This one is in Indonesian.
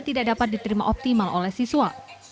tidak dapat diterima optimal oleh siswa